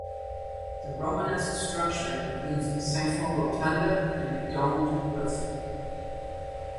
The Romanesque structure includes a central rotunda and domed roof.